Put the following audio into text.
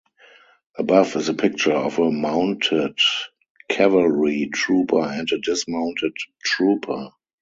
Above is a picture of a mounted cavalry trooper and a dismounted trooper.